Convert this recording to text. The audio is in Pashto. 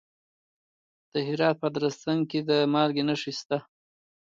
د هرات په ادرسکن کې د مالګې نښې شته.